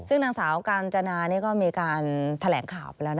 ซึ่งนางสาวกาญจนานี่ก็มีการแถลงข่าวไปแล้ว